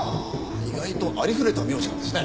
意外とありふれた名字なんですね。